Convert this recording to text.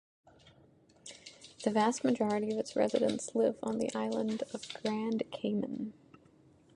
The vast majority of its residents live on the island of Grand Cayman.